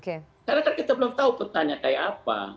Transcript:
karena kan kita belum tahu pertanyaan kayak apa